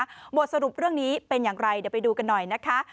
หมดสรุปเรื่องนี้เป็นอย่างไรเดี๋ยวไปดูกันหน่อยนะคะ